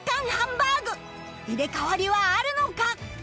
入れ替わりはあるのか？